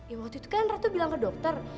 ya waktu itu kan ratu bilang ke dokter